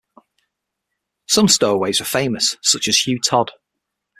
Some stowaways were famous such as Hugh Todd.